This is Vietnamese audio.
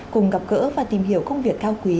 cùng gặp gỡ và tìm hiểu công việc cao quý